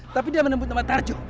tapi dia menemukan nama tarjo